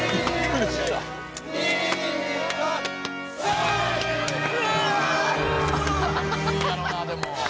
熱いやろうなでも。